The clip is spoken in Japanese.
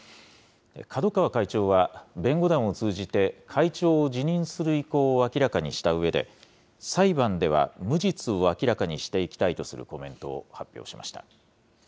角川会長は、弁護団を通じて、会長を辞任する意向を明らかにしたうえで、裁判では無実を明らかにしていきたいとするコメントを発表しました。